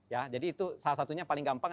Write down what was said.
ya jadi itu salah satunya paling gampang